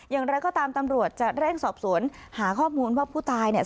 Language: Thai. อย่างไรก็ตามตำรวจจะเร่งสอบสวนหาข้อมูลว่าผู้ตายเนี่ย